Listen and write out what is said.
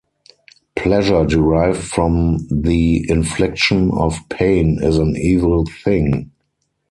Pleasure derived from the infliction of pain is an evil thing.